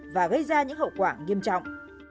và gây ra những hậu quả nghiêm trọng